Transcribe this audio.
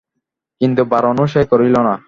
কিন্তু বারণও সে করিল না।